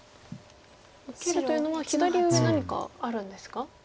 受けるというのは左上何かあるんですか？